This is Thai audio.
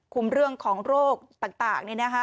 เรื่องของโรคต่าง